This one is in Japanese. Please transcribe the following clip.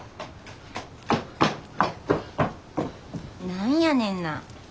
何やねんな。